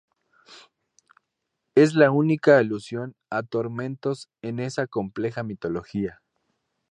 Es la única alusión a tormentos en esa compleja mitología.